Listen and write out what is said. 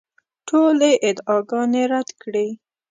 ټولې ادعاګانې رد کړې.